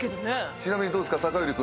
ちなみにどうですか酒寄君。